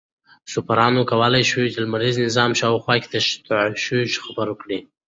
سوپرنووا کولای شي د لمریز نظام په شاوخوا کې تشعشع خپره کړي.